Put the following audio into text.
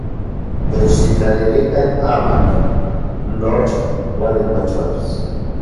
Techtitlanilikan amatl nocha uan nikmachotis.